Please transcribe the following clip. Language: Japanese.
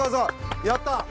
やった！